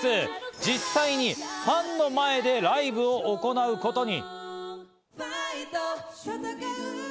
実際にファンの前でライブを行うことに。